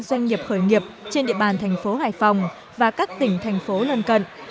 doanh nghiệp khởi nghiệp trên địa bàn tp hải phòng và các tỉnh thành phố lân cận